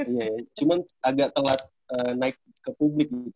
iya cuman agak telat naik ke publik gitu